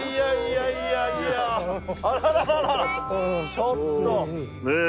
ちょっと。ねぇ。